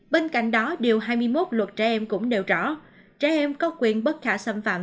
bên cạnh đó điều hai mươi một luật trẻ em cũng nêu rõ trẻ em có quyền bất khả xâm phạm